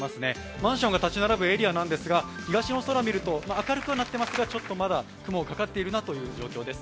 マンションが立ち並ぶエリアなんですが、東の空を見ると明るくはなっていますが、ちょっとまだ雲がかかっているなという状況です。